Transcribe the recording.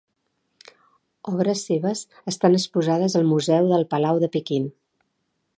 Obres seves estan exposades al Museu del Palau de Pequín.